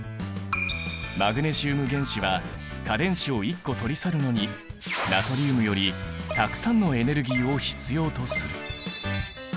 マグネシウム原子は価電子を１個取り去るのにナトリウムよりたくさんのエネルギーを必要とする。